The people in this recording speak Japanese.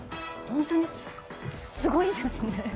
本当にすごいですね。